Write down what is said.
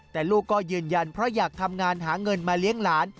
แต่ลูกก็ยืนยันเพราะอยากทำงานหาเงินมาเลี้ยงหลาน